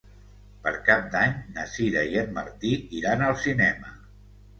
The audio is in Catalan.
Per Cap d'Any na Sira i en Martí iran al cinema.